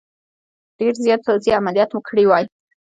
ډېر زیات پوځي عملیات مو کړي وای.